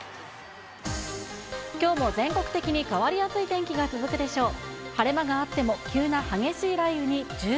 きょうも全国的に変わりやすい天気が続くでしょう。